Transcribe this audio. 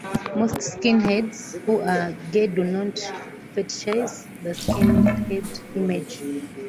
Most skinheads who are gay do not fetishize the skinhead image.